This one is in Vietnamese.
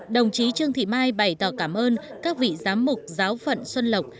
đồng chí trương thị mai bày tỏ cảm ơn các vị giám mục giáo phận xuân lộc